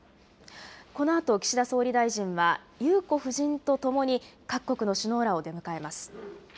このあと、岸田総理大臣は裕子夫人と共に各国の首脳らを出迎えます。